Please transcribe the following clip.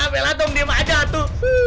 bel tolong diam aja hatu